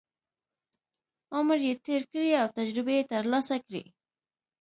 عمر یې تېر کړی او تجربې یې ترلاسه کړي.